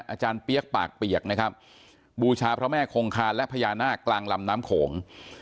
อาจารย์เปี๊ยกปากเปียกนะครับบูชาพระแม่คงคานและพญานาคกลางลำน้ำโขง